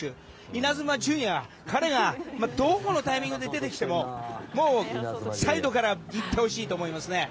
イナズマ純也、彼がどこのタイミングで出てきてもサイドから行ってほしいと思いますね。